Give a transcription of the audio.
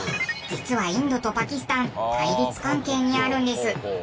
実はインドとパキスタン対立関係にあるんです。